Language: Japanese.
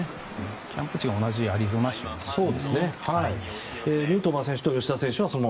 キャンプ地が同じアリゾナ州なんですね。